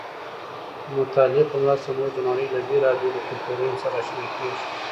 د مطالعې په مرسته موږ د نړۍ له بېلابېلو کلتورونو سره اشنا کېږو.